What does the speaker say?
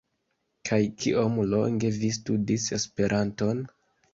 Kaj kiom longe vi studis Esperanton?